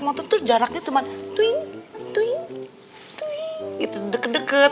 motor jaraknya cuma tuing tuing itu deket deket